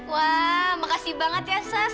wah makasih banget ya sas